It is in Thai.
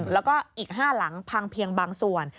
แล้วก็อีก๕หลังพังเพียงบางส่วน